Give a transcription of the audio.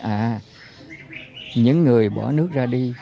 à những người bỏ nước ra đi